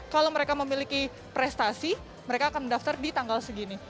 kalau mereka memiliki prestasi mereka akan mendaftar di tanggal segini